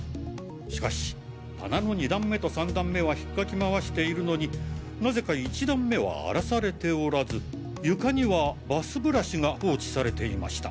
しかし棚の２段目と３段目は引っかき回しているのになぜか１段目は荒らされておらず床にはバスブラシが放置されていました。